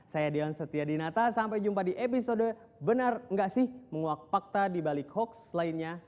saya dion setia dinata sampai jumpa di episode benar nggak menguak pakta di balik hoax lainnya